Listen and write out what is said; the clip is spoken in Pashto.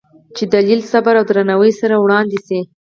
چې د دلیل، صبر او درناوي سره وړاندې شي،